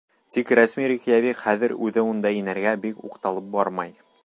Тик рәсми Рейкьявик хәҙер үҙе унда инергә бик уҡталып бармай.